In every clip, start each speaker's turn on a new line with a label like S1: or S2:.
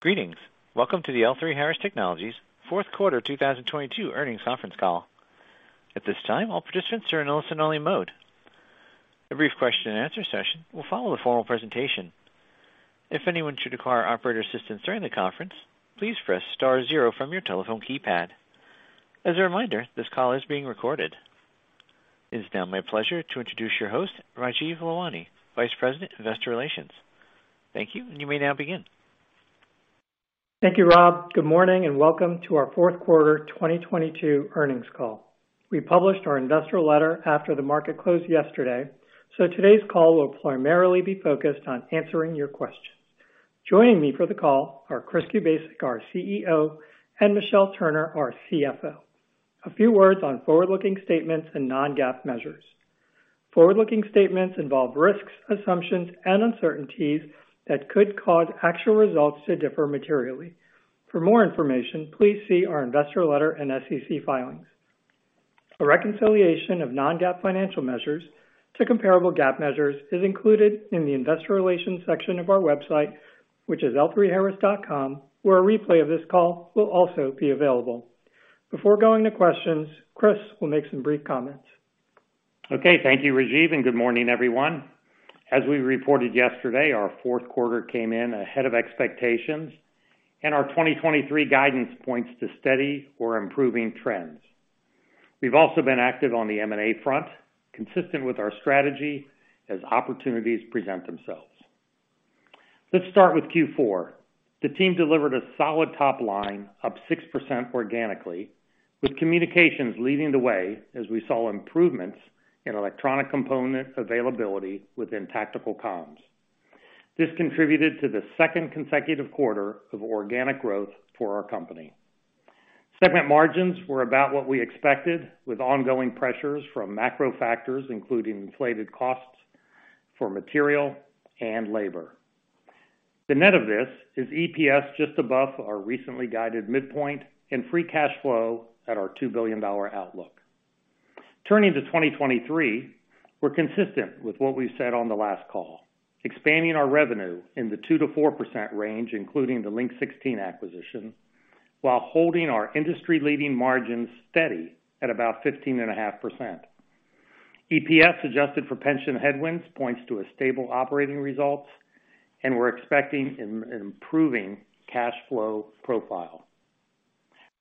S1: Greetings. Welcome to the L3Harris Technologies fourth quarter 2022 earnings conference call. At this time, all participants are in listen-only mode. A brief question and answer session will follow the formal presentation. If anyone should require operator assistance during the conference, please press star 0 from your telephone keypad. As a reminder, this call is being recorded. It is now my pleasure to introduce your host, Rajeev Lalwani, Vice President, Investor Relations. Thank you. You may now begin.
S2: Thank you, Rob. Good morning and welcome to our fourth quarter 2022 earnings call. We published our investor letter after the market closed yesterday, today's call will primarily be focused on answering your questions. Joining me for the call are Chris Kubasik, our CEO, and Michelle Turner, our CFO. A few words on forward-looking statements and non-GAAP measures. Forward-looking statements involve risks, assumptions, and uncertainties that could cause actual results to differ materially. For more information, please see our investor letter and SEC filings. A reconciliation of non-GAAP financial measures to comparable GAAP measures is included in the investor relations section of our website, which is L3Harris.com, where a replay of this call will also be available. Before going to questions, Chris will make some brief comments.
S3: Okay. Thank you, Rajeev, good morning, everyone. As we reported yesterday, our fourth quarter came in ahead of expectations. Our 2023 guidance points to steady or improving trends. We've also been active on the M&A front, consistent with our strategy as opportunities present themselves. Let's start with Q4. The team delivered a solid top line, up 6% organically, with communications leading the way as we saw improvements in electronic component availability within tactical comms. This contributed to the second consecutive quarter of organic growth for our company. Segment margins were about what we expected with ongoing pressures from macro factors, including inflated costs for material and labor. The net of this is EPS just above our recently guided midpoint and free cash flow at our $2 billion outlook. Turning to 2023, we're consistent with what we said on the last call, expanding our revenue in the 2%-4% range, including the Link 16 acquisition, while holding our industry-leading margins steady at about 15.5%. EPS, adjusted for pension headwinds, points to a stable operating results, and we're expecting an improving cash flow profile.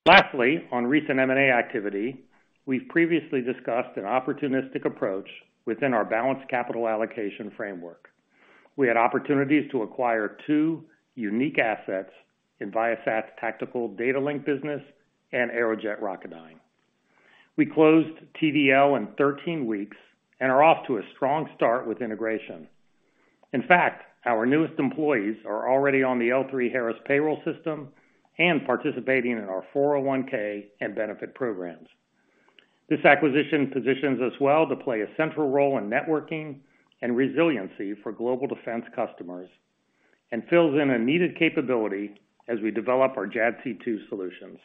S3: Lastly, on recent M&A activity, we've previously discussed an opportunistic approach within our balanced capital allocation framework. We had opportunities to acquire two unique assets in Viasat's Tactical Data Link business and Aerojet Rocketdyne. We closed TDL in 13 weeks and are off to a strong start with integration. In fact, our newest employees are already on the L3Harris payroll system and participating in our 401(k) and benefit programs. This acquisition positions us well to play a central role in networking and resiliency for global defense customers and fills in a needed capability as we develop our JADC2 solutions.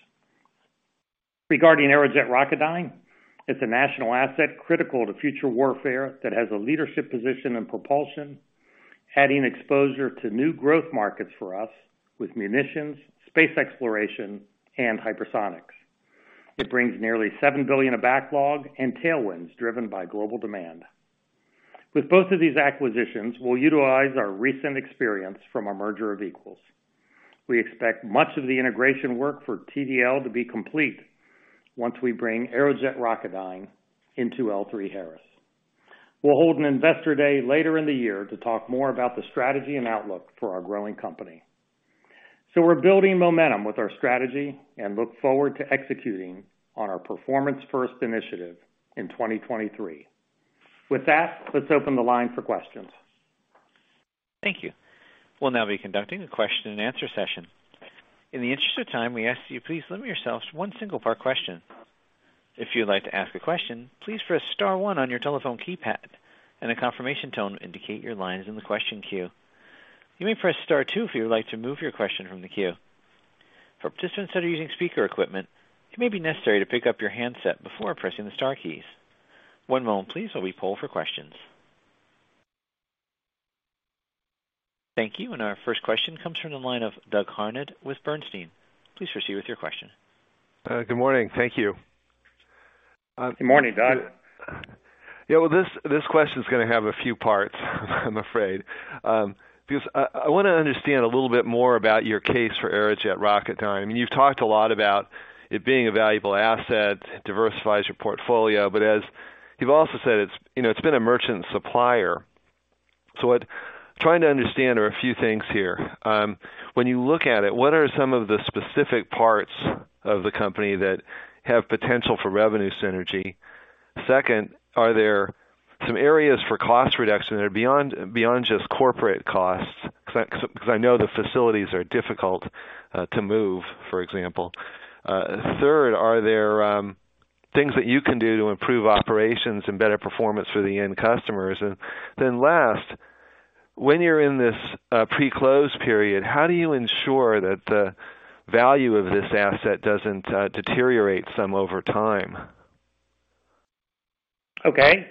S3: Regarding Aerojet Rocketdyne, it's a national asset critical to future warfare that has a leadership position in propulsion, adding exposure to new growth markets for us with munitions, space exploration, and hypersonics. It brings nearly $7 billion of backlog and tailwinds driven by global demand. Both of these acquisitions, we'll utilize our recent experience from our merger of equals. We expect much of the integration work for TDL to be complete once we bring Aerojet Rocketdyne into L3Harris. We'll hold an investor day later in the year to talk more about the strategy and outlook for our growing company. We're building momentum with our strategy and look forward to executing on our performance-first initiative in 2023. With that, let's open the line for questions.
S1: Thank you. We'll now be conducting a question and answer session. In the interest of time, we ask that you please limit yourselves to one single part question. If you'd like to ask a question, please press star one on your telephone keypad, and a confirmation tone will indicate your line is in the question queue. You may press star two if you would like to move your question from the queue. For participants that are using speaker equipment, it may be necessary to pick up your handset before pressing the star keys. One moment please while we poll for questions. Thank you. Our first question comes from the line of Doug Harned with Bernstein. Please proceed with your question.
S4: Good morning. Thank you.
S3: Good morning, Doug.
S4: Yeah, well, this question is gonna have a few parts, I'm afraid, because I wanna understand a little bit more about your case for Aerojet Rocketdyne. I mean, you've talked a lot about it being a valuable asset, diversifies your portfolio. As you've also said, it's, you know, been a merchant supplier. What I'm trying to understand are a few things here. When you look at it, what are some of the specific parts of the company that have potential for revenue synergy? Second, are there some areas for cost reduction that are beyond just corporate costs? 'Cause I know the facilities are difficult to move, for example. Third, are there things that you can do to improve operations and better performance for the end customers? Last, when you're in this pre-close period, how do you ensure that the value of this asset doesn't deteriorate some over time?
S3: Okay.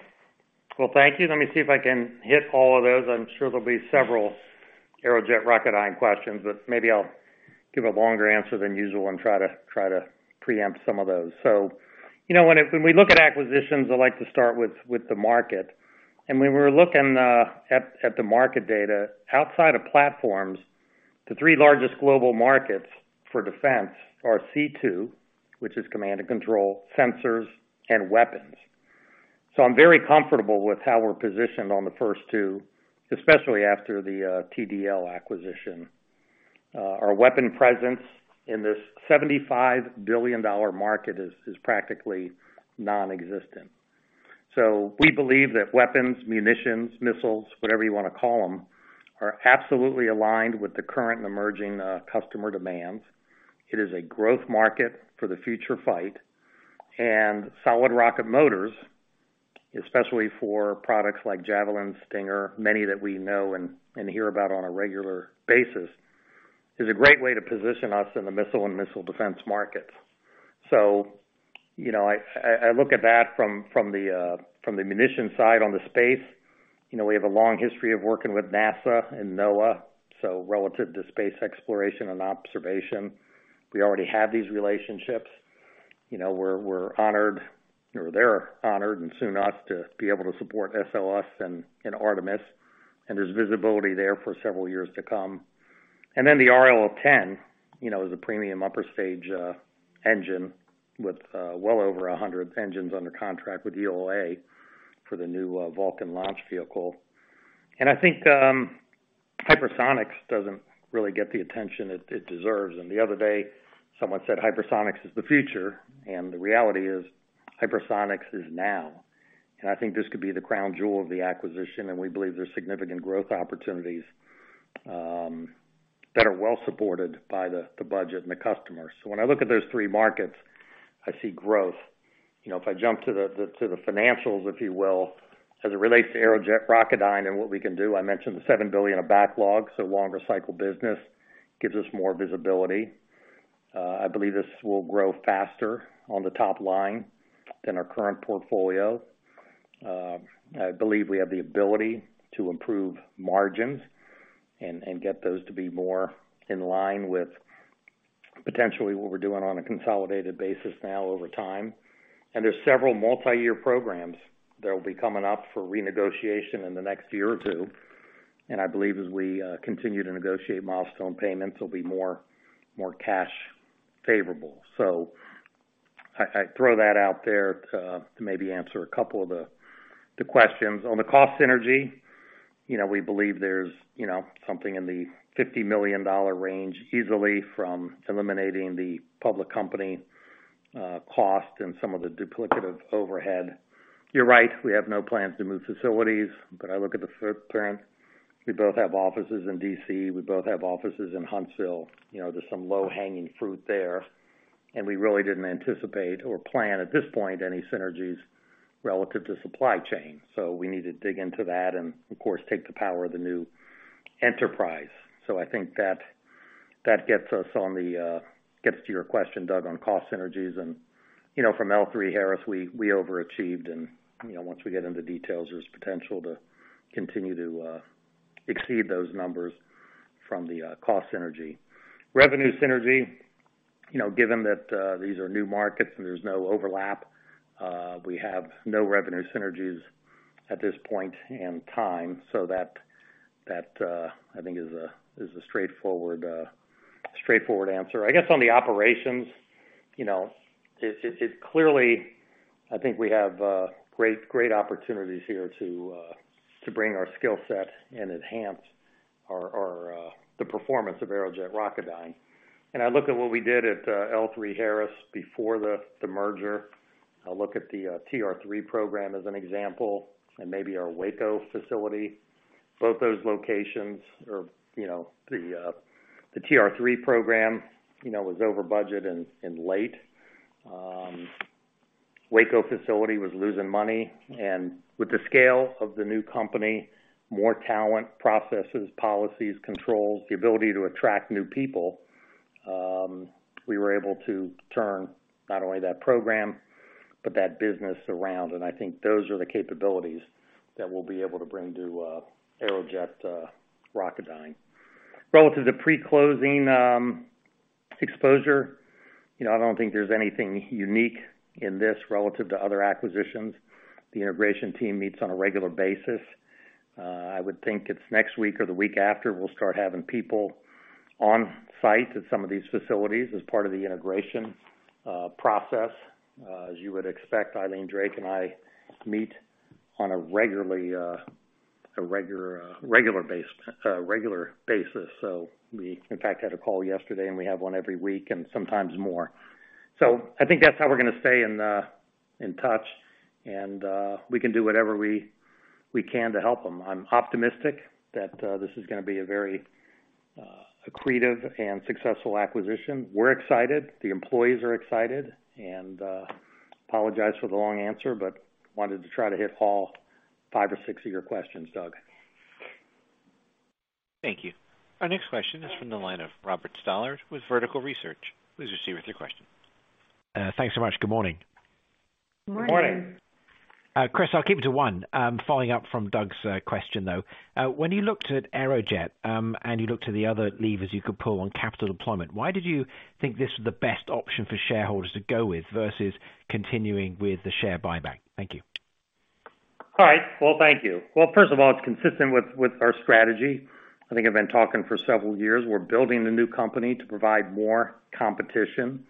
S3: Well, thank you. Let me see if I can hit all of those. I'm sure there'll be several Aerojet Rocketdyne questions. Maybe I'll give a longer answer than usual and try to preempt some of those. You know, when we look at acquisitions, I like to start with the market. When we're looking at the market data, outside of platforms, the three largest global markets for defense are C2, which is command and control, sensors, and weapons. I'm very comfortable with how we're positioned on the first two, especially after the TDL acquisition. Our weapon presence in this $75 billion market is practically non-existent. We believe that weapons, munitions, missiles, whatever you wanna call them, are absolutely aligned with the current and emerging customer demands. It is a growth market for the future fight. Solid rocket motors, especially for products like Javelin, Stinger, many that we know and hear about on a regular basis, is a great way to position us in the missile and missile defense markets. You know, I look at that from the munition side on the space. You know, we have a long history of working with NASA and NOAA, so relative to space exploration and observation, we already have these relationships. You know, we're honored, or they're honored, and soon us, to be able to support SLS and Artemis, and there's visibility there for several years to come. The RL10, you know, is a premium upper stage engine with well over 100 engines under contract with ULA for the new Vulcan launch vehicle. I think hypersonics doesn't really get the attention it deserves. The other day, someone said hypersonics is the future, and the reality is hypersonics is now. I think this could be the crown jewel of the acquisition, and we believe there's significant growth opportunities that are well supported by the budget and the customers. When I look at those three markets, I see growth. You know, if I jump to the financials, if you will, as it relates to Aerojet Rocketdyne and what we can do, I mentioned the $7 billion of backlogs. Longer cycle business gives us more visibility. I believe this will grow faster on the top line than our current portfolio. I believe we have the ability to improve margins and get those to be more in line with potentially what we're doing on a consolidated basis now over time. There's several multiyear programs that will be coming up for renegotiation in the next year or two. I believe as we continue to negotiate milestone payments, there'll be more cash favorable. I throw that out there to maybe answer a couple of the questions. On the cost synergy, you know, we believe there's, you know, something in the $50 million range easily from eliminating the public company cost and some of the duplicative overhead. You're right, we have no plans to move facilities, but I look at the footprint. We both have offices in D.C., we both have offices in Huntsville. You know, there's some low-hanging fruit there, and we really didn't anticipate or plan at this point any synergies relative to supply chain. We need to dig into that and of course take the power of the new enterprise. I think that gets us on the, gets to your question, Doug, on cost synergies. You know, from L3Harris, we overachieved. You know, once we get into details, there's potential to continue to, exceed those numbers from the, cost synergy. Revenue synergy, you know, given that, these are new markets and there's no overlap, we have no revenue synergies at this point in time. That, that, I think, is a, is a straightforward answer. I guess on the operations, you know, it clearly, I think we have great opportunities here to bring our skill set and enhance our the performance of Aerojet Rocketdyne. I look at what we did at L3Harris before the merger. I look at the TR3 program as an example, and maybe our Waco facility. Both those locations or, you know, the TR3 program, you know, was over budget and late. Waco facility was losing money. With the scale of the new company, more talent, processes, policies, controls, the ability to attract new people, we were able to turn not only that program, but that business around. I think those are the capabilities that we'll be able to bring to Aerojet Rocketdyne. Relative to pre-closing exposure, you know, I don't think there's anything unique in this relative to other acquisitions. The integration team meets on a regular basis. I would think it's next week or the week after we'll start having people on site at some of these facilities as part of the integration process. As you would expect, Eileen Drake and I meet on a regular basis. We, in fact, had a call yesterday, and we have one every week, and sometimes more. I think that's how we're gonna stay in touch, and we can do whatever we can to help them. I'm optimistic that this is gonna be a very accretive and successful acquisition. We're excited. The employees are excited. Apologize for the long answer, but wanted to try to hit all 5 or 6 of your questions, Doug.
S1: Thank you. Our next question is from the line of Robert Stallard with Vertical Research. Please proceed with your question.
S5: Thanks so much. Good morning.
S3: Good morning.
S5: Chris, I'll keep it to one. Following up from Doug's question, though. When you looked at Aerojet, and you looked to the other levers you could pull on capital deployment, why did you think this was the best option for shareholders to go with versus continuing with the share buyback? Thank you.
S3: All right. Well, thank you. Well, first of all, it's consistent with our strategy. I think I've been talking for several years. We're building the new company to provide more competition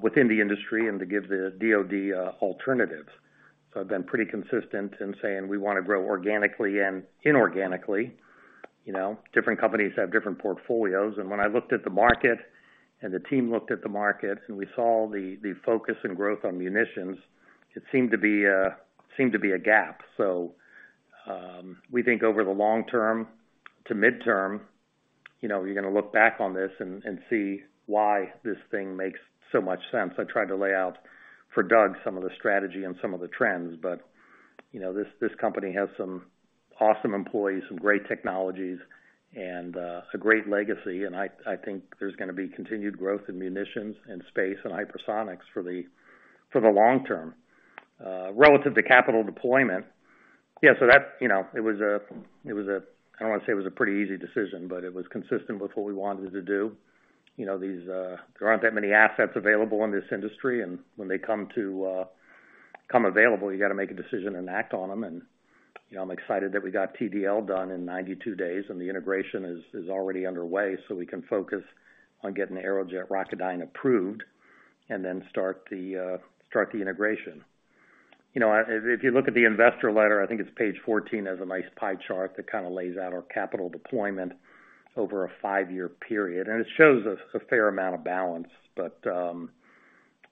S3: within the industry and to give the DoD alternatives. I've been pretty consistent in saying we wanna grow organically and inorganically. You know, different companies have different portfolios. When I looked at the market and the team looked at the market, and we saw the focus and growth on munitions, it seemed to be a gap. We think over the long term to mid-term, you know, you're gonna look back on this and see why this thing makes so much sense. I tried to lay out for Doug some of the strategy and some of the trends, you know, this company has some awesome employees, some great technologies and a great legacy. I think there's gonna be continued growth in munitions and space and hypersonics for the long term. Relative to capital deployment. Yeah, that's, you know, I don't wanna say it was a pretty easy decision, but it was consistent with what we wanted to do. You know, there aren't that many assets available in this industry. When they come available, you gotta make a decision and act on them. You know, I'm excited that we got TDL done in 92 days, and the integration is already underway, so we can focus on getting Aerojet Rocketdyne approved and then start the integration. You know, if you look at the investor letter, I think it's page 14, there's a nice pie chart that kinda lays out our capital deployment over a 5-year period. It shows us a fair amount of balance.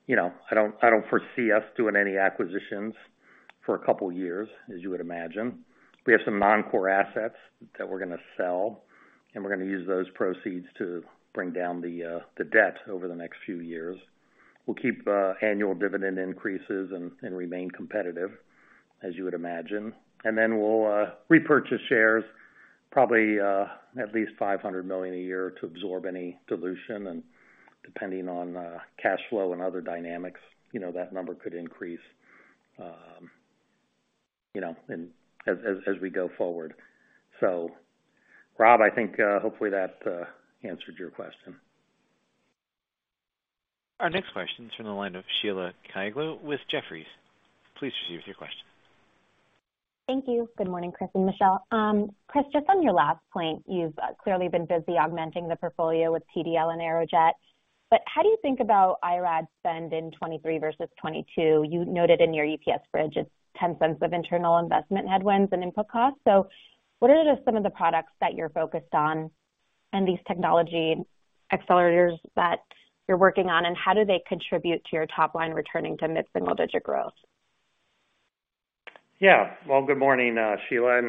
S3: You know, I don't foresee us doing any acquisitions for a couple years, as you would imagine. We have some non-core assets that we're gonna sell, and we're gonna use those proceeds to bring down the debt over the next few years. We'll keep annual dividend increases and remain competitive, as you would imagine. We'll repurchase shares probably at least $500 million a year to absorb any dilution. Depending on cash flow and other dynamics, you know, that number could increase, you know, and as we go forward. Rob, I think, hopefully that answered your question.
S1: Our next question is from the line of Sheila Kahyaoglu with Jefferies. Please proceed with your question.
S6: Thank you. Good morning, Chris and Michelle. Chris, just on your last point, you've clearly been busy augmenting the portfolio with TDL and Aerojet. How do you think about IRAD spend in 2023 versus 2022? You noted in your EPS bridge it's $0.10 of internal investment headwinds and input costs. What are some of the products that you're focused on and these technology accelerators that you're working on, and how do they contribute to your top line returning to mid-single-digit growth?
S3: Yeah. Well, good morning, Sheila.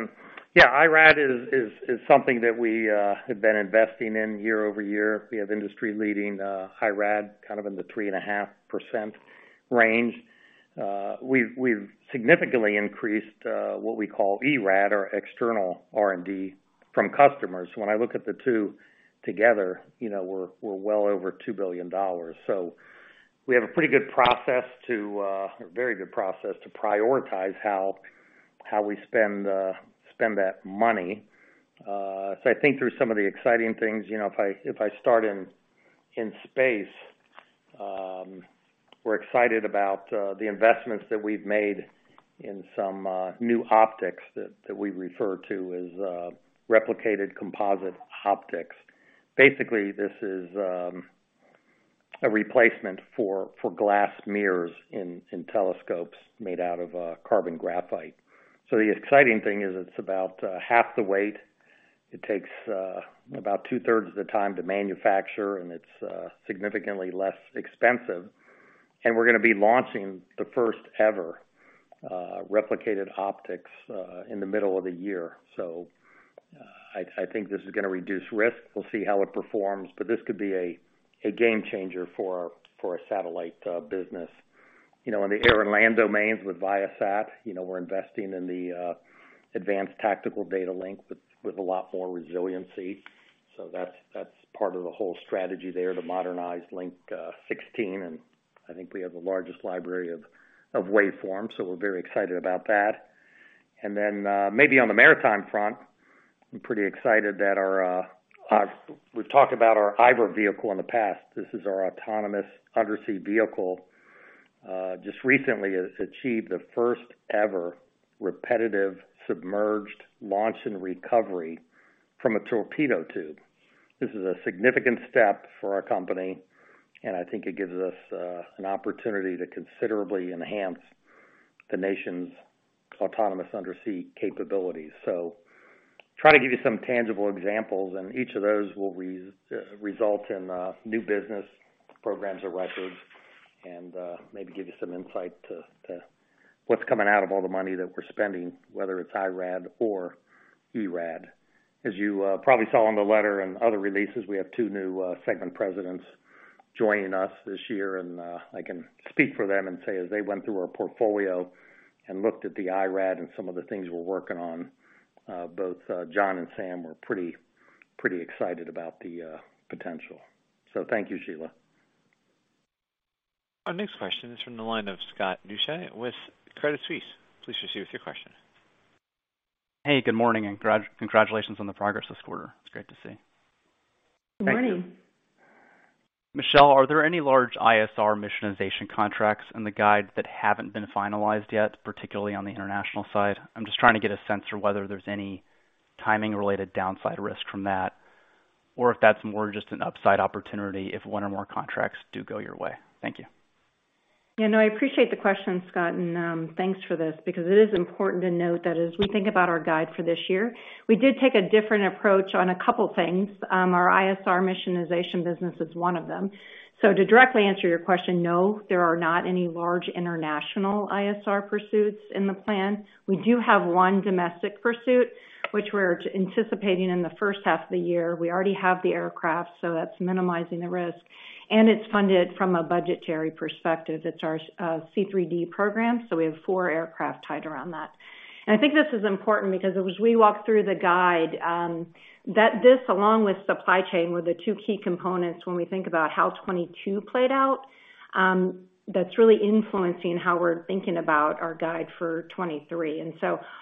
S3: IRAD is something that we have been investing in year-over-year. We have industry-leading IRAD in the 3.5% range. We've significantly increased what we call ERAD or external R&D from customers. When I look at the two together, you know, we're well over $2 billion. We have a pretty good process to a very good process to prioritize how we spend that money. I think through some of the exciting things. You know, if I start in space, we're excited about the investments that we've made in some new optics that we refer to as replicated composite optics. Basically, this is a replacement for glass mirrors in telescopes made out of carbon graphite. The exciting thing is it's about half the weight. It takes about two-thirds of the time to manufacture, and it's significantly less expensive. We're gonna be launching the first ever replicated optics in the middle of the year. I think this is gonna reduce risk. We'll see how it performs, but this could be a game changer for our satellite business. You know, in the air and land domains with Viasat, you know, we're investing in the advanced Tactical Data Link with a lot more resiliency. That's, that's part of the whole strategy there to modernize Link 16, and I think we have the largest library of waveforms, so we're very excited about that. Then, maybe on the maritime front, I'm pretty excited that our we've talked about our Iver vehicle in the past. This is our autonomous undersea vehicle. Just recently, it achieved the first ever repetitive submerged launch and recovery from a torpedo tube. This is a significant step for our company, and I think it gives us an opportunity to considerably enhance the nation's autonomous undersea capabilities. Trying to give you some tangible examples, and each of those will result in new business programs or records and maybe give you some insight to what's coming out of all the money that we're spending, whether it's IRAD or ERAD. As you probably saw in the letter and other releases, we have two new segment presidents joining us this year, and I can speak for them and say as they went through our portfolio and looked at the IRAD and some of the things we're working on, both John and Sam were pretty excited about the potential. Thank you, Sheila.
S1: Our next question is from the line of Scott Deuschle with Credit Suisse. Please proceed with your question.
S7: Hey, good morning. Congratulations on the progress this quarter. It's great to see.
S3: Thank you.
S8: Good morning.
S7: Michelle, are there any large ISR missionization contracts in the guide that haven't been finalized yet, particularly on the international side? I'm just trying to get a sense for whether there's any timing-related downside risk from that, or if that's more just an upside opportunity if one or more contracts do go your way. Thank you.
S8: I appreciate the question, Scott, and thanks for this because it is important to note that as we think about our guide for this year, we did take a different approach on a couple things. Our ISR missionization business is one of them. To directly answer your question, no, there are not any large international ISR pursuits in the plan. We do have 1 domestic pursuit which we're anticipating in the first half of the year. We already have the aircraft, so that's minimizing the risk, and it's funded from a budgetary perspective. It's our C3D program, so we have 4 aircraft tied around that. I think this is important because as we walk through the guide, that this, along with supply chain, were the two key components when we think about how 2022 played out, that's really influencing how we're thinking about our guide for 2023.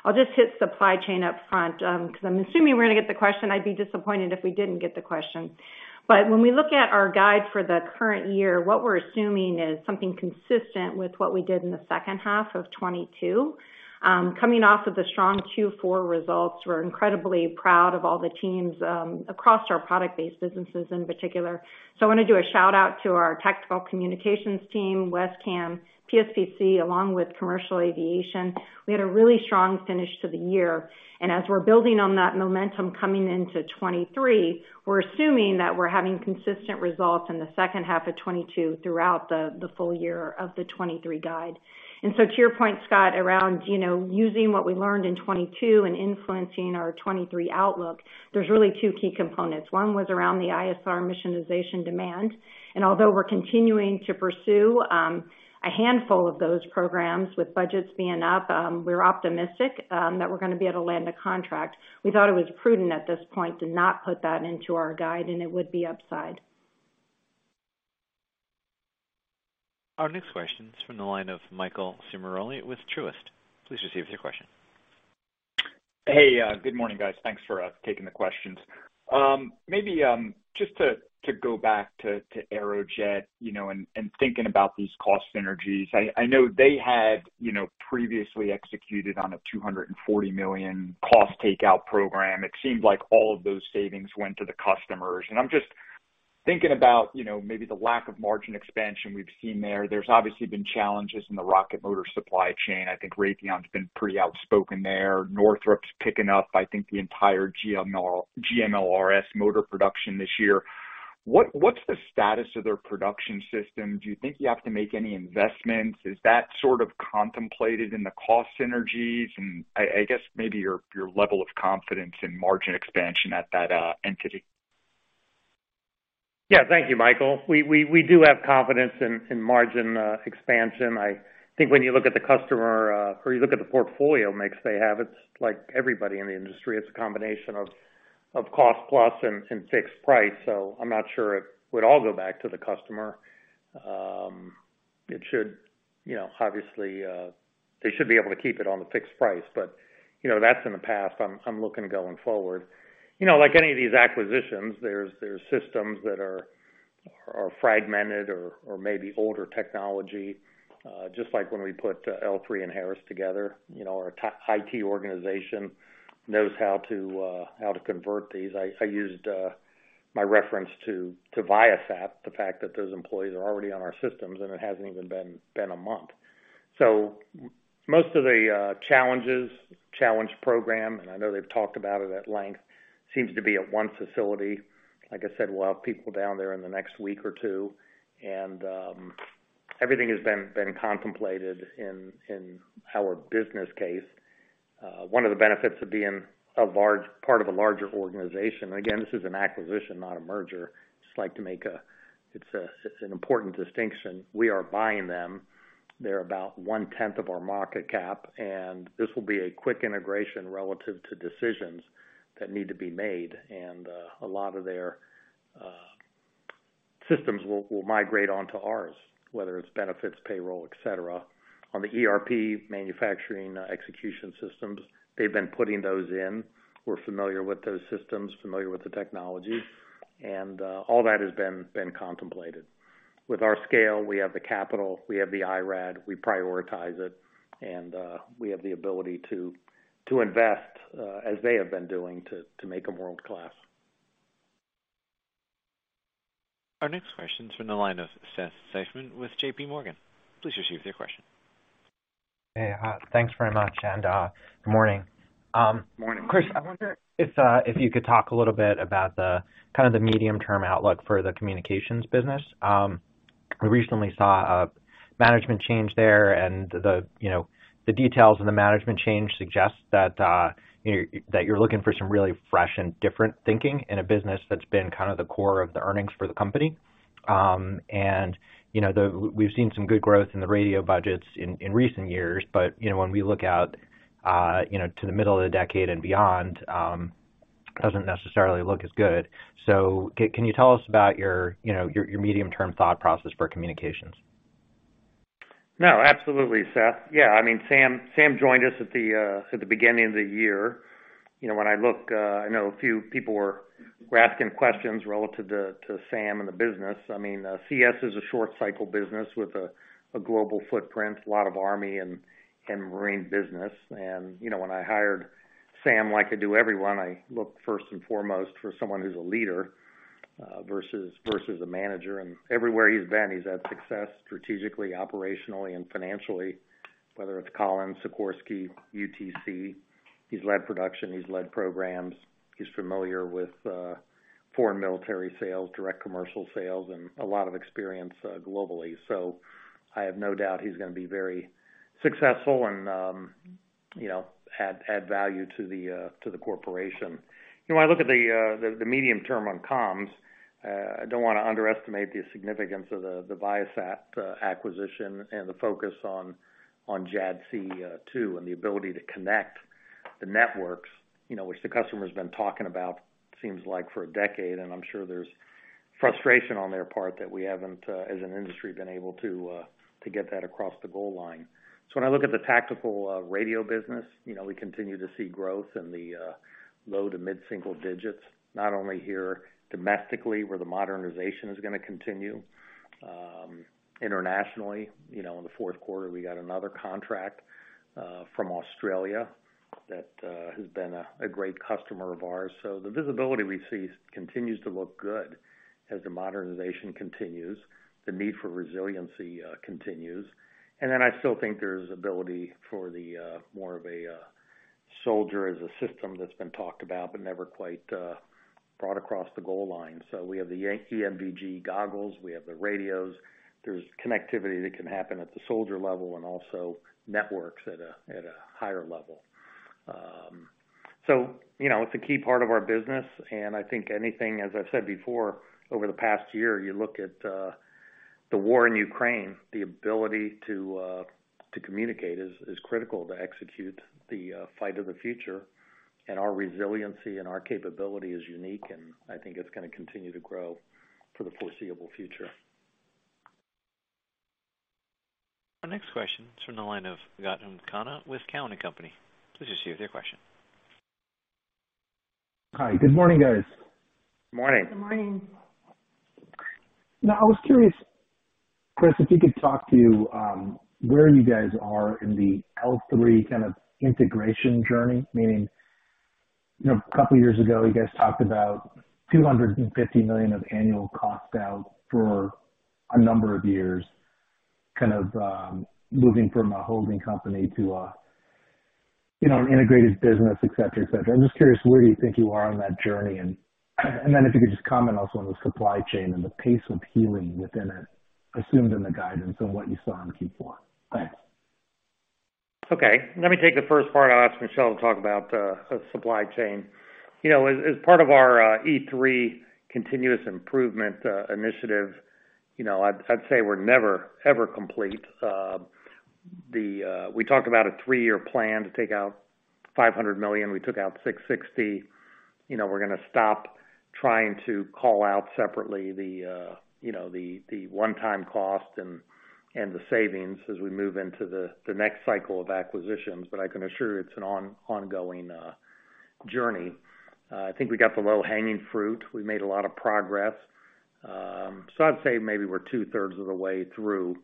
S8: I'll just hit supply chain up front, 'cause I'm assuming we're gonna get the question. I'd be disappointed if we didn't get the question. When we look at our guide for the current year, what we're assuming is something consistent with what we did in the second half of 2022. Coming off of the strong Q4 results, we're incredibly proud of all the teams across our product-based businesses in particular. I wanna do a shout-out to our tactical communications team, WESCAM, PSPC, along with commercial aviation. We had a really strong finish to the year. As we're building on that momentum coming into 2023, we're assuming that we're having consistent results in the second half of 2022 throughout the full year of the 2023 guide. To your point, Scott, around, you know, using what we learned in 2022 and influencing our 2023 outlook, there's really 2 key components. One was around the ISR missionization demand. Although we're continuing to pursue a handful of those programs with budgets being up, we're optimistic that we're gonna be able to land a contract. We thought it was prudent at this point to not put that into our guide, and it would be upside.
S1: Our next question is from the line of Michael Ciarmoli with Truist. Please proceed with your question.
S9: Hey, good morning, guys. Thanks for taking the questions. Maybe, just to go back to Aerojet, you know, and thinking about these cost synergies. I know they had, you know, previously executed on a $240 million cost takeout program. It seemed like all of those savings went to the customers. I'm just thinking about, you know, maybe the lack of margin expansion we've seen there. There's obviously been challenges in the rocket motor supply chain. I think Raytheon's been pretty outspoken there. Northrop's picking up, I think, the entire GMLRS motor production this year. What's the status of their production system? Do you think you have to make any investments? Is that contemplated in the cost synergies? I guess maybe your level of confidence in margin expansion at that entity.
S3: Yeah. Thank you, Michael. We do have confidence in margin expansion. I think when you look at the customer, or you look at the portfolio mix they have, it's like everybody in the industry. It's a combination of cost plus and fixed price. I'm not sure it would all go back to the customer. It should. You know, obviously, they should be able to keep it on the fixed price, but, you know, that's in the past. I'm looking going forward. You know, like any of these acquisitions, there's systems that are fragmented or maybe older technology. Just like when we put L3 and Harris together. You know, our IT organization knows how to convert these. I used my reference to Viasat, the fact that those employees are already on our systems, and it hasn't even been a month. Most of the challenges, challenge program, and I know they've talked about it at length, seems to be at one facility. Like I said, we'll have people down there in the next week or two. Everything has been contemplated in our business case. One of the benefits of being part of a larger organization. Again, this is an acquisition, not a merger. Just like to make it's an important distinction. We are buying them. They're about one-tenth of our market cap, and this will be a quick integration relative to decisions that need to be made. A lot of their systems will migrate onto ours, whether it's benefits, payroll, et cetera. On the ERP manufacturing execution systems, they've been putting those in. We're familiar with those systems, familiar with the technology, and all that has been contemplated. With our scale, we have the capital, we have the IRAD, we prioritize it, and we have the ability to invest as they have been doing to make them world-class.
S1: Our next question's from the line of Seth Seifman with JPMorgan Chase & Co. Please proceed with your question.
S10: Hey. thanks very much and, good morning.
S3: Morning.
S10: Chris, I wonder if you could talk a little bit about the the medium-term outlook for the communications business. We recently saw a management change there, and the, you know, the details of the management change suggests that, you know, that you're looking for some really fresh and different thinking in a business that's been the core of the earnings for the company. You know, we've seen some good growth in the radio budgets in recent years. You know, when we look out, you know, to the middle of the decade and beyond, doesn't necessarily look as good. Can you tell us about your, you know, your medium-term thought process for communications?
S3: No, absolutely, Seth. Yeah. I mean, Sam joined us at the beginning of the year. You know, when I look, I know a few people were asking questions relative to Sam and the business. I mean, CS is a short cycle business with a global footprint, a lot of Army and Marine business. You know, when I hired Sam, like I do everyone, I look first and foremost for someone who's a leader versus a manager. Everywhere he's been, he's had success strategically, operationally and financially, whether it's Collins, Sikorsky, UTC, he's led production, he's led programs. He's familiar with foreign military sales, direct commercial sales, and a lot of experience globally. I have no doubt he's gonna be very successful and, you know, add value to the Corporation. You know, when I look at the medium-term on comms, I don't wanna underestimate the significance of the Viasat acquisition and the focus on JADC2, and the ability to connect the networks, you know, which the customer's been talking about, seems like for a decade, and I'm sure there's frustration on their part that we haven't as an industry been able to get that across the goal line. When I look at the tactical radio business, you know, we continue to see growth in the low to mid-single digits, not only here domestically, where the modernization is gonna continue. Internationally, you know, in the fourth quarter, we got another contract from Australia that has been a great customer of ours. The visibility we see continues to look good as the modernization continues, the need for resiliency continues. I still think there's ability for the more of a soldier as a system that's been talked about, but never quite brought across the goal line. We have the ENVG-B goggles, we have the radios. There's connectivity that can happen at the soldier level and also networks at a higher level. You know, it's a key part of our business, and I think anything, as I've said before over the past year, you look at the war in Ukraine, the ability to communicate is critical to execute the fight of the future. Our resiliency and our capability is unique, and I think it's gonna continue to grow for the foreseeable future.
S1: Our next question is from the line of Gautam Khanna with Cowen and Company. Please issue with your question.
S11: Hi. Good morning, guys.
S3: Morning.
S8: Good morning.
S11: I was curious, Chris, if you could talk to where you guys are in the L3 integration journey? Meaning, you know, a couple of years ago, you guys talked about $250 million of annual cost out for a number of years, moving from a holding company to a, you know, an integrated business, et cetera, et cetera. I'm just curious, where do you think you are on that journey? Then if you could just comment also on the supply chain and the pace of healing within it, assumed in the guidance and what you saw in Q4. Thanks.
S3: Okay. Let me take the first part. I'll ask Michelle to talk about the supply chain. You know, as part of our E3 continuous improvement initiative, you know, I'd say we're never, ever complete. We talked about a 3-year plan to take out $500 million. We took out $660 million. You know, we're gonna stop trying to call out separately the, you know, the one-time cost and the savings as we move into the next cycle of acquisitions. I can assure you it's an ongoing journey. I think we got the low-hanging fruit. We made a lot of progress. I'd say maybe we're two-thirds of the way through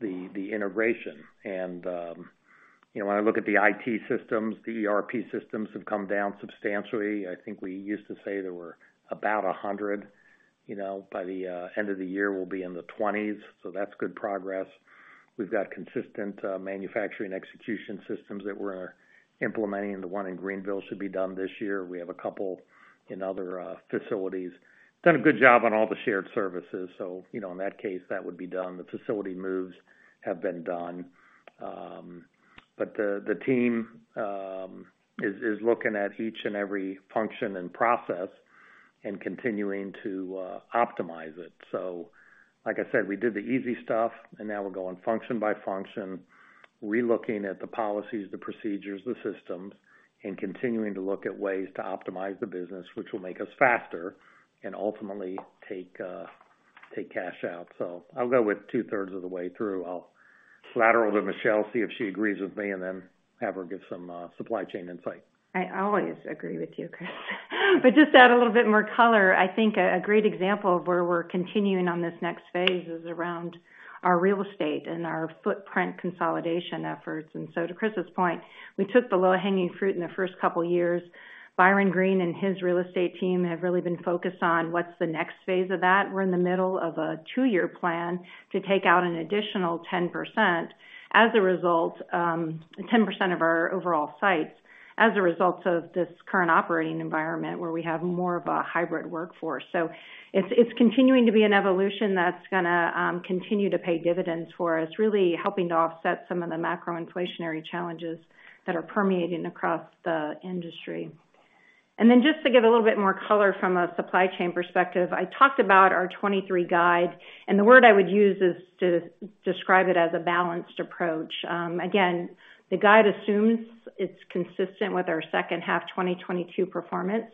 S3: the integration. You know, when I look at the IT systems, the ERP systems have come down substantially. I think we used to say there were about 100, you know. By the end of the year, we'll be in the 20s, so that's good progress. We've got consistent manufacturing execution systems that we're implementing. The one in Greenville should be done this year. We have a couple in other facilities. Done a good job on all the shared services, so, you know, in that case, that would be done. The facility moves have been done. The team is looking at each and every function and process and continuing to optimize it. Like I said, we did the easy stuff, and now we're going function by function, relooking at the policies, the procedures, the systems, and continuing to look at ways to optimize the business, which will make us faster and ultimately take cash out. I'll go with two-thirds of the way through. I'll slatter over to Michelle, see if she agrees with me, and then have her give some supply chain insight.
S8: I always agree with you, Chris. Just to add a little bit more color, I think a great example of where we're continuing on this next phase is around our real estate and our footprint consolidation efforts. To Chris's point, we took the low-hanging fruit in the first couple of years. Byron Green and his real estate team have really been focused on what's the next phase of that. We're in the middle of a 2-year plan to take out 10% of our overall sites as a result of this current operating environment where we have more of a hybrid workforce. It's continuing to be an evolution that's gonna continue to pay dividends for us, really helping to offset some of the macro inflationary challenges that are permeating across the industry. Just to give a little bit more color from a supply chain perspective, I talked about our 2023 guide, and the word I would use is to describe it as a balanced approach. Again, the guide assumes it's consistent with our second half 2022 performance.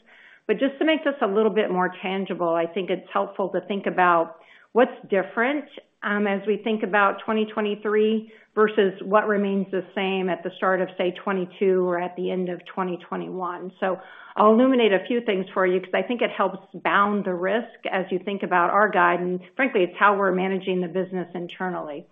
S8: Just to make this a little bit more tangible, I think it's helpful to think about what's different as we think about 2023 versus what remains the same at the start of, say, 2022 or at the end of 2021. I'll illuminate a few things for you because I think it helps bound the risk as you think about our guidance. Frankly, it's how we're managing the business internally.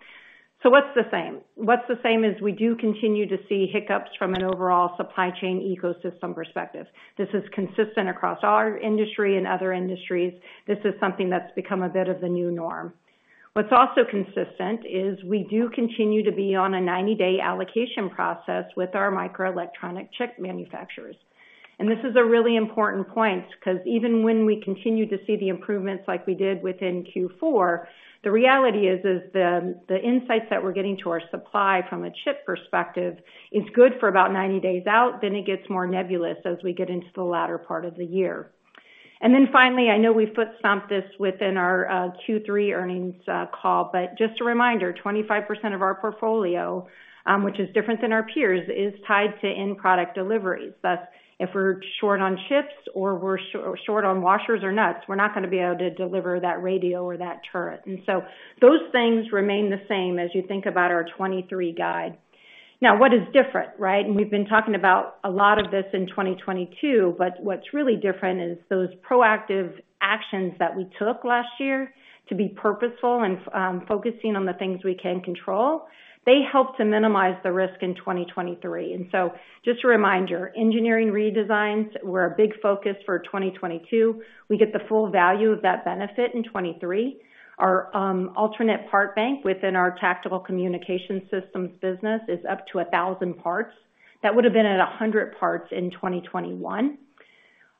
S8: What's the same? What's the same is we do continue to see hiccups from an overall supply chain ecosystem perspective. This is consistent across our industry and other industries. This is something that's become a bit of the new norm. What's also consistent is we do continue to be on a 90-day allocation process with our microelectronic chip manufacturers. This is a really important point because even when we continue to see the improvements like we did within Q4, the reality is, the insights that we're getting to our supply from a chip perspective is good for about 90 days out, then it gets more nebulous as we get into the latter part of the year. Finally, I know we foot stomped this within our Q3 earnings call, but just a reminder, 25% of our portfolio, which is different than our peers, is tied to end product deliveries. Thus, if we're short on chips or we're short on washers or nuts, we're not gonna be able to deliver that radio or that turret. Those things remain the same as you think about our 2023 guide. Now, what is different, right? We've been talking about a lot of this in 2022, but what's really different is those proactive actions that we took last year to be purposeful and focusing on the things we can control. They help to minimize the risk in 2023. Just a reminder, engineering redesigns were a big focus for 2022. We get the full value of that benefit in 2023. Our alternate part bank within our tactical communications systems business is up to 1,000 parts. That would have been at 100 parts in 2021.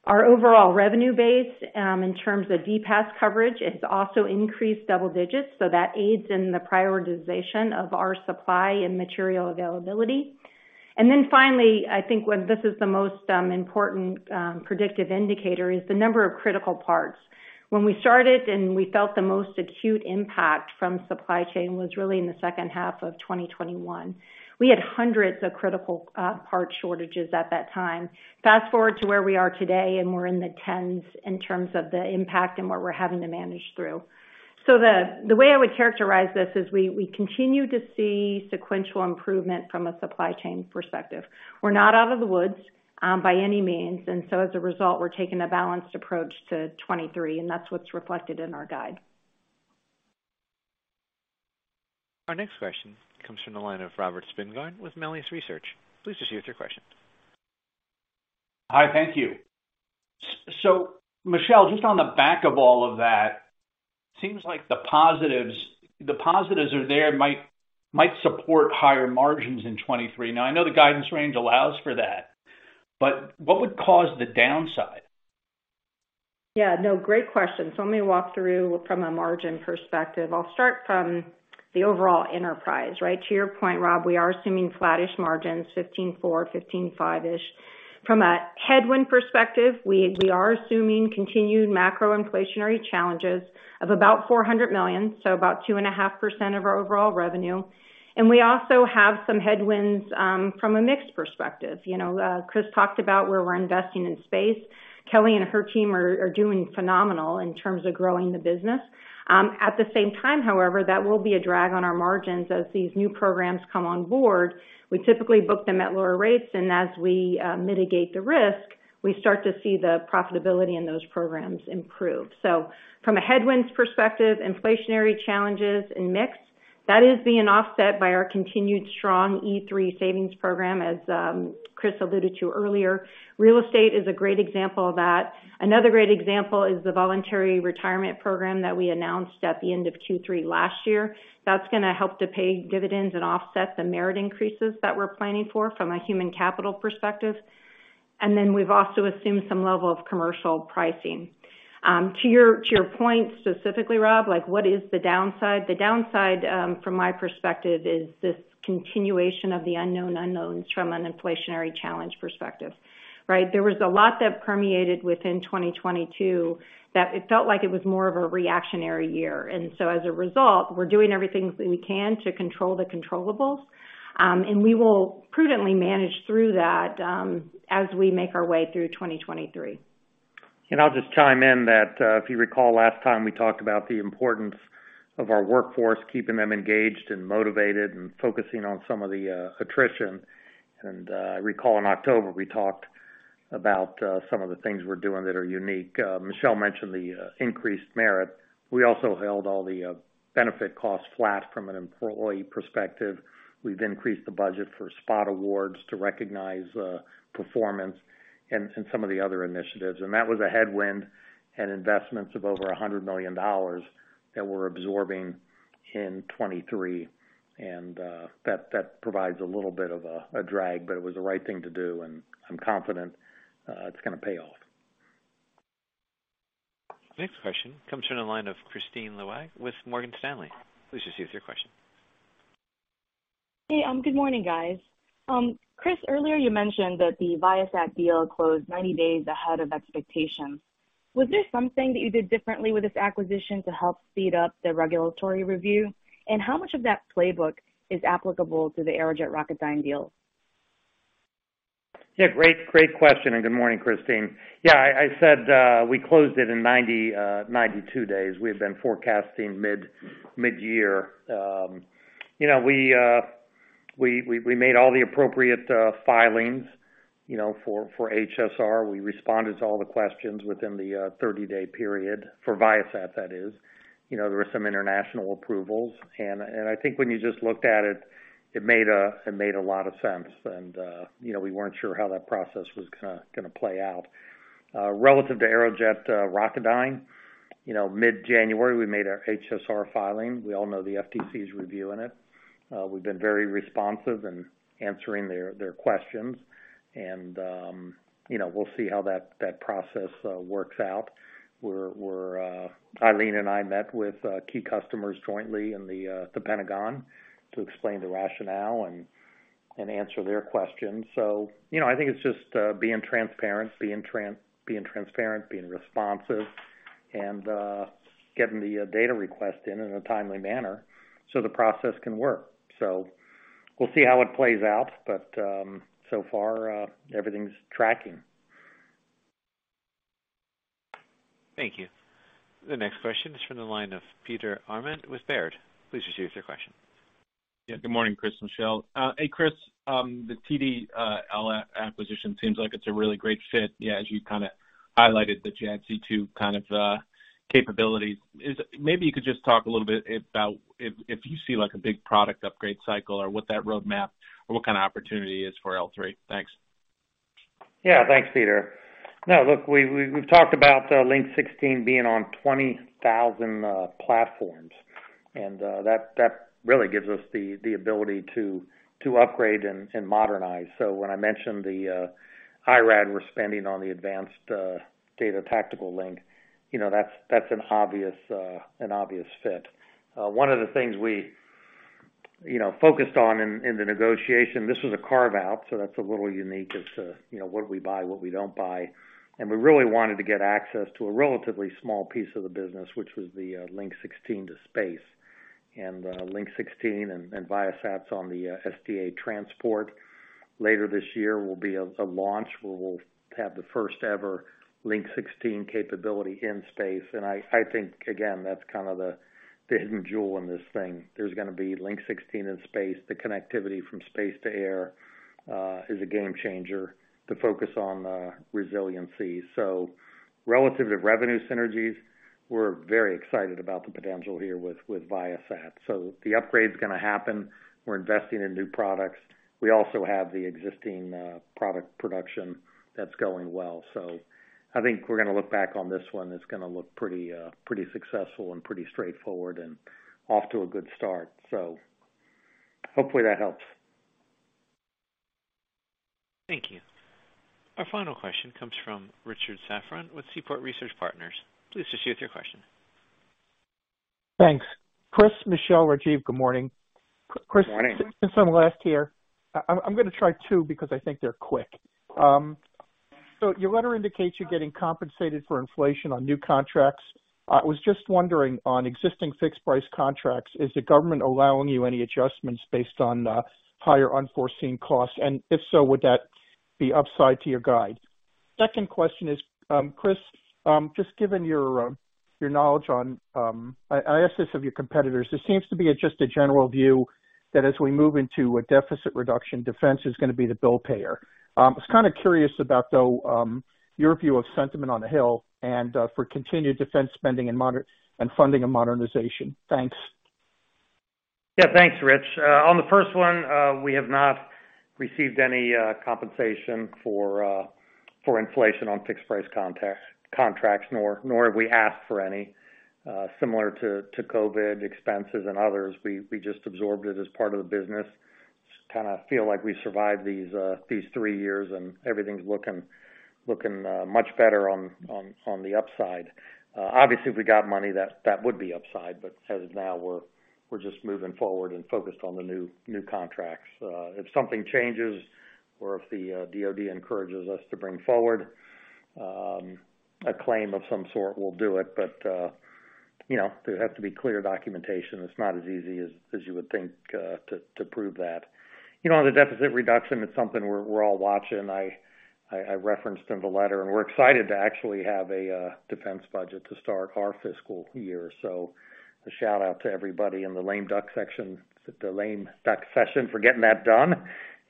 S8: Our overall revenue base, in terms of DPAS coverage, it's also increased double digits, so that aids in the prioritization of our supply and material availability. Finally, I think when this is the most important predictive indicator is the number of critical parts. When we started and we felt the most acute impact from supply chain was really in the second half of 2021. We had hundreds of critical part shortages at that time. Fast-forward to where we are today, and we're in the tens in terms of the impact and what we're having to manage through. The way I would characterize this is we continue to see sequential improvement from a supply chain perspective. We're not out of the woods by any means, and so as a result, we're taking a balanced approach to 2023, and that's what's reflected in our guide.
S1: Our next question comes from the line of Robert Spingarn with Melius Research. Please proceed with your question.
S12: Hi, thank you. So Michelle, just on the back of all of that, seems like the positives are there, might support higher margins in 2023. I know the guidance range allows for that, but what would cause the downside?
S8: Yeah, no, great question. Let me walk through from a margin perspective. I'll start from the overall enterprise, right? To your point, Rob, we are assuming flattish margins, 15.4%-15.5%-ish. From a headwind perspective, we are assuming continued macro inflationary challenges of about $400 million, so about 2.5% of our overall revenue. We also have some headwinds from a mix perspective. You know, Chris talked about where we're investing in space. Kelly and her team are doing phenomenal in terms of growing the business. At the same time, however, that will be a drag on our margins as these new programs come on board. We typically book them at lower rates, and as we mitigate the risk, we start to see the profitability in those programs improve. From a headwinds perspective, inflationary challenges and mix, that is being offset by our continued strong E3 savings program, as Chris alluded to earlier. Real estate is a great example of that. Another great example is the voluntary retirement program that we announced at the end of Q3 last year. That's gonna help to pay dividends and offset the merit increases that we're planning for from a human capital perspective. We've also assumed some level of commercial pricing. To your, to your point specifically, Rob, like, what is the downside? The downside, from my perspective, is this continuation of the unknown unknowns from an inflationary challenge perspective, right? There was a lot that permeated within 2022 that it felt like it was more of a reactionary year. As a result, we're doing everything we can to control the controllables, and we will prudently manage through that, as we make our way through 2023.
S3: I'll just chime in that, if you recall last time, we talked about the importance of our workforce, keeping them engaged and motivated and focusing on some of the attrition. I recall in October, we talked about some of the things we're doing that are unique. Michelle mentioned the increased merit. We also held all the benefit costs flat from an employee perspective. We've increased the budget for spot awards to recognize performance and some of the other initiatives. That was a headwind and investments of over $100 million that we're absorbing in 2023. That provides a little bit of a drag, but it was the right thing to do, and I'm confident, it's gonna pay off.
S1: Next question comes from the line of Kristine Liwag with Morgan Stanley. Please proceed with your question.
S13: Hey, good morning, guys. Chris, earlier you mentioned that the Viasat deal closed 90 days ahead of expectations. Was this something that you did differently with this acquisition to help speed up the regulatory review? How much of that playbook is applicable to the Aerojet Rocketdyne deal?
S3: Great, great question. Good morning, Kristine. I said, we closed it in 92 days. We had been forecasting mid-year. You know, we made all the appropriate filings, you know, for HSR. We responded to all the questions within the 30-day period for Viasat, that is. You know, there were some international approvals. I think when you just looked at it made a lot of sense. You know, we weren't sure how that process was going to play out. Relative to Aerojet Rocketdyne. You know, mid-January, we made our HSR filing. We all know the FTC is reviewing it. We've been very responsive in answering their questions, and, you know, we'll see how that process works out. We're Eileen and I met with key customers jointly in the Pentagon to explain the rationale and answer their questions. You know, I think it's just being transparent, being transparent, being responsive and getting the data request in a timely manner so the process can work. We'll see how it plays out. So far, everything's tracking.
S1: Thank you. The next question is from the line of Peter Arment with Baird. Please proceed with your question.
S14: Yeah. Good morning, Chris and Michelle. Hey, Chris, the TDL acquisition seems like it's a really great fit. Yeah, as you kinda highlighted that you had C2 capabilities. Maybe you could just talk a little bit about if you see, like, a big product upgrade cycle or what that roadmap or what opportunity is for L-3? Thanks.
S3: Yeah. Thanks, Peter. Now, look, we've talked about Link 16 being on 20,000 platforms, that really gives us the ability to upgrade and modernize. When I mentioned the IRAD we're spending on the advanced Tactical Data Link, you know, that's an obvious fit. One of the things we, you know, focused on in the negotiation, this was a carve-out, so that's a little unique. It's, you know, what we buy, what we don't buy. We really wanted to get access to a relatively small piece of the business, which was the Link 16 to space. Link 16 and Viasat's on the SDA transport. Later this year will be a launch where we'll have the first ever Link 16 capability in space. I think, again, that's the hidden jewel in this thing. There's gonna be Link-16 in space. The connectivity from space to air is a game changer to focus on resiliency. Relative to revenue synergies, we're very excited about the potential here with Viasat. The upgrade's gonna happen. We're investing in new products. We also have the existing product production that's going well. I think we're gonna look back on this one, it's gonna look pretty successful and pretty straightforward and off to a good start. Hopefully that helps.
S1: Thank you. Our final question comes from Richard Safran with Seaport Research Partners. Please proceed with your question.
S15: Thanks. Chris, Michelle, Rajiv, good morning.
S3: Good morning.
S15: Chris, since I'm last here, I'm gonna try 2 because I think they're quick. Your letter indicates you're getting compensated for inflation on new contracts. I was just wondering, on existing fixed price contracts, is the government allowing you any adjustments based on higher unforeseen costs? If so, would that be upside to your guide? Second question is, Chris, just given your knowledge on, I ask this of your competitors. There seems to be just a general view that as we move into a deficit reduction, defense is gonna be the bill payer. I was kinda curious about, though, your view of sentiment on the Hill and for continued defense spending and funding and modernization. Thanks.
S3: Yeah. Thanks, Rich. On the first one, we have not received any compensation for inflation on fixed price contracts, nor have we asked for any. Similar to COVID expenses and others, we just absorbed it as part of the business. Kinda feel like we survived these three years, and everything's looking much better on the upside. Obviously, if we got money, that would be upside, but as of now, we're just moving forward and focused on the new contracts. If something changes or if the DoD encourages us to bring forward a claim of some sort, we'll do it. You know, there has to be clear documentation. It's not as easy as you would think to prove that. You know, the deficit reduction, it's something we're all watching. I referenced in the letter, and we're excited to actually have a defense budget to start our fiscal year. So a shout-out to everybody in the lame duck session for getting that done.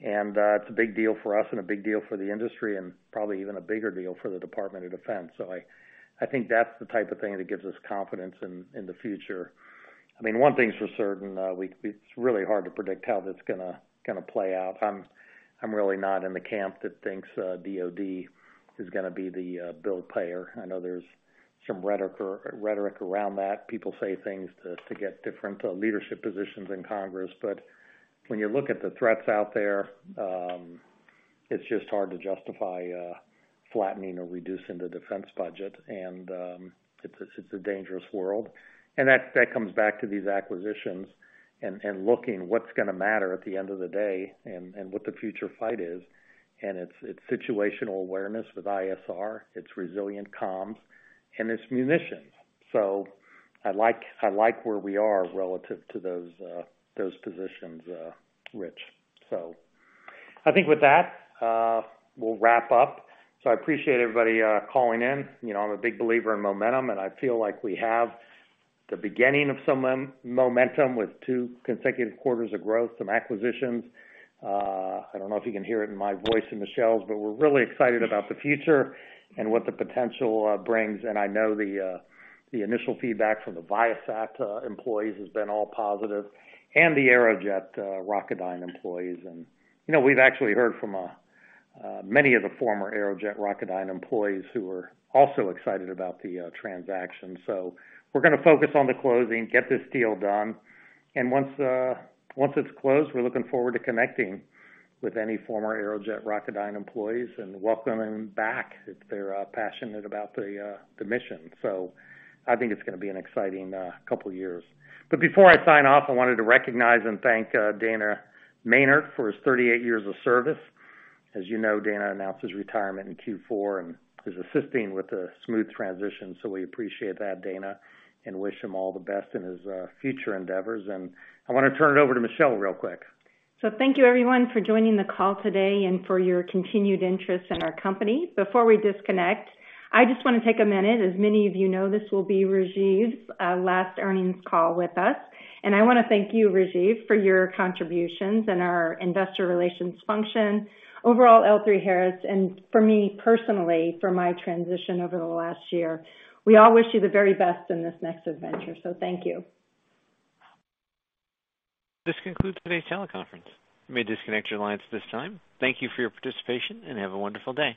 S3: It's a big deal for us and a big deal for the industry and probably even a bigger deal for the Department of Defense. So I think that's the type of thing that gives us confidence in the future. I mean, one thing's for certain, it's really hard to predict how that's gonna play out. I'm really not in the camp that thinks DoD is gonna be the bill payer. I know there's some rhetoric around that. People say things to get different leadership positions in Congress. When you look at the threats out there, It's just hard to justify flattening or reducing the defense budget. It's a dangerous world. That comes back to these acquisitions and looking what's gonna matter at the end of the day and what the future fight is. It's situational awareness with ISR, it's resilient comms, and it's munitions. I like where we are relative to those positions, Rich. I think with that, we'll wrap up. I appreciate everybody, calling in. You know, I'm a big believer in momentum, and I feel like we have the beginning of some momentum with two consecutive quarters of growth, some acquisitions. I don't know if you can hear it in my voice and Michelle's, but we're really excited about the future and what the potential brings. I know the initial feedback from the Viasat employees has been all positive, and the Aerojet Rocketdyne employees. You know, we've actually heard from many of the former Aerojet Rocketdyne employees who are also excited about the transaction. We're gonna focus on the closing, get this deal done. Once it's closed, we're looking forward to connecting with any former Aerojet Rocketdyne employees and welcoming them back if they're passionate about the mission. I think it's gonna be an exciting couple years. Before I sign off, I wanted to recognize and thank Dana Mehnert for his 38 years of service. As you know, Dana announced his retirement in Q4 and is assisting with a smooth transition. We appreciate that, Dana, and wish him all the best in his future endeavors. I wanna turn it over to Michelle real quick.
S8: Thank you everyone for joining the call today and for your continued interest in our company. Before we disconnect, I just wanna take a minute. As many of you know, this will be Rajeev's last earnings call with us. I wanna thank you, Rajeev, for your contributions in our investor relations function, overall L3Harris, and for me, personally, for my transition over the last year. We all wish you the very best in this next adventure, thank you.
S1: This concludes today's teleconference. You may disconnect your lines at this time. Thank you for your participation, and have a wonderful day.